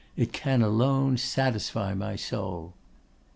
It can alone satisfy my soul.